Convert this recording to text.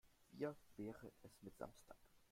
Wir wäre es mit Samstag?